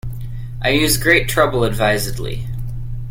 I use great trouble advisedly.